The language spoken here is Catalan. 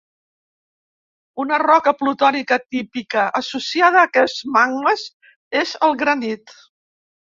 Una roca plutònica típica associada a aquests magmes és el granit.